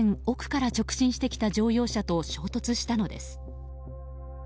奥から直進してきた乗用車と衝突したのです。